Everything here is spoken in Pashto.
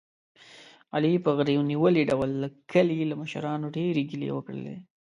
علي په غرېو نیولي ډول د کلي له مشرانو ډېرې ګیلې وکړلې.